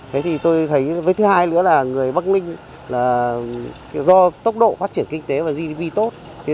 thế thì tôi thấy với thứ hai nữa là người bắc ninh là do tốc độ phát triển kinh tế và gdp tốt